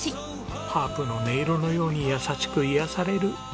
ハープの音色のように優しく癒やされるお味です。